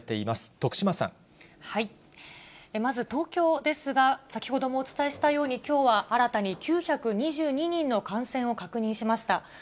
まず東京ですが、先ほどもお伝えしたように、きょうは新たに９２２人の感染を確認しました。